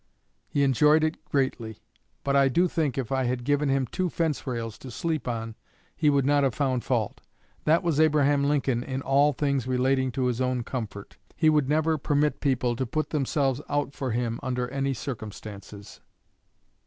"' He enjoyed it greatly; but I do think if I had given him two fence rails to sleep on he would not have found fault. That was Abraham Lincoln in all things relating to his own comfort. He would never permit people to put themselves out for him under any circumstances."